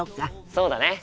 そうだね。